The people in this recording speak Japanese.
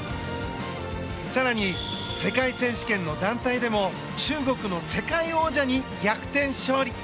更に、世界選手権の団体でも中国の世界王者に逆転勝利。